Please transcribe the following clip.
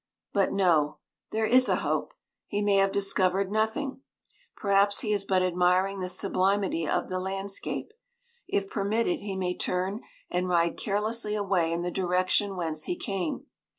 But no there is a hope; he may have discovered nothing; perhaps he is but admiring the sublimity of the landscape. If permitted, he may turn and ride carelessly away in the direction whence he came.